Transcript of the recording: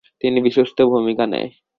তিনি বিশিষ্ট ভূমিকা নেয়।